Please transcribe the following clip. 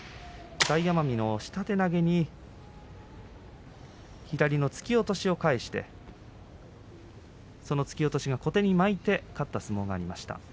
大奄美の下手投げに左の突き落としを返してその突き落としを小手に巻いて勝った相撲がありました。